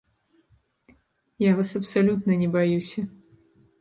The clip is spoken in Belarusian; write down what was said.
Я вас абсалютна не баюся.